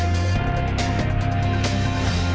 tim liputan cnn indonesia